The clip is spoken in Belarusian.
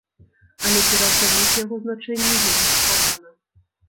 Але пераацаніць яго значэнне вельмі складана.